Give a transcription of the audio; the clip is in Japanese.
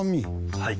はい。